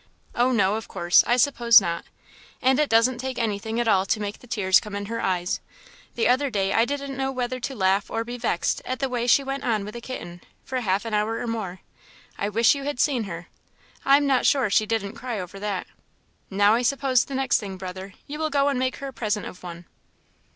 "Oh, no, of course! I suppose not. And it doesn't take anything at all to make the tears come in her eyes; the other day I didn't know whether to laugh or be vexed at the way she went on with a kitten, for half an hour or more. I wish you had seen her! I am not sure she didn't cry over that. Now I suppose the next thing, brother, you will go and make her a present of one."